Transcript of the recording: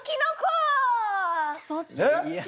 そっち？